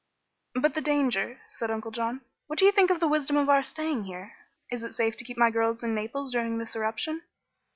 "But the danger," said Uncle John. "What do you think of the wisdom of our staying here? Is it safe to keep my girls in Naples during this eruption?"